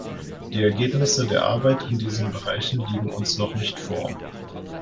Die Ergebnisse der Arbeit in diesen Bereichen liegen uns noch nicht vor.